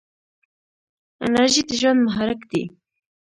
انرژي د ژوند محرک دی.